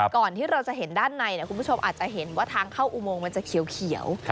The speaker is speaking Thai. ก่อนที่เราจะเห็นด้านในคุณผู้ชมอาจจะเห็นว่าทางเข้าอุโมงมันจะเขียว